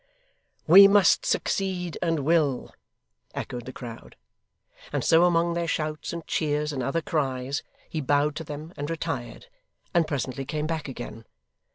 'We must succeed and will!' echoed the crowd. And so among their shouts and cheers and other cries, he bowed to them and retired, and presently came back again.